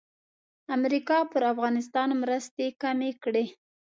امریکا پر افغانستان مرستې کمې کړې.